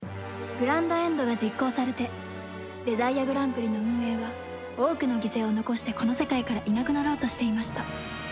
グランドエンドが実行されてデザイアグランプリの運営は多くの犠牲を残してこの世界からいなくなろうとしていました